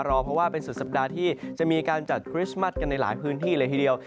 เพราะว่าเป็นสุดสัปดาห์ที่จะมีการจัดคริสต์มัสกันในหลายพื้นที่เลยทีเดียว